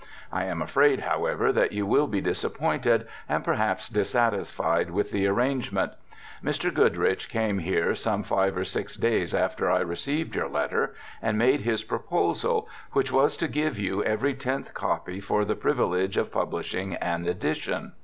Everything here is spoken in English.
I am afraid, however, that you will be disappointed, and perhaps dissatisfied with the arrangement. Mr. Goodrich came here some five or six days after I received your letter, and made his proposal, which was to give you every tenth copy for tne privilege of publishing an edition.